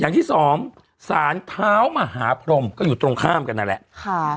อย่างที่สองสารเท้ามหาพรมก็อยู่ตรงข้ามกันนั่นแหละค่ะ